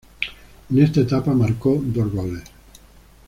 En esta etapa marcó dos goles.